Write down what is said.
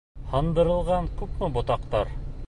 Һындырылған күпме ботаҡтар!